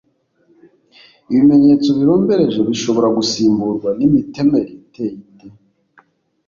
ibimenyetso birombereje bishobora gusimburwa n’imitemeri iteye ite